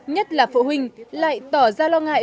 nhất là phụ huynh lại tỏ ra lo ngại